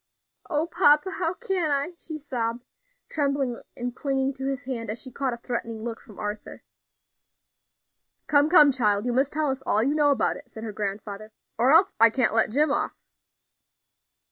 "O papa! how can I?" she sobbed, trembling and clinging to his hand as she caught a threatening look from Arthur. "Come, come, child, you must tell us all you know about it," said her grandfather, "or else I can't let Jim off." Mr.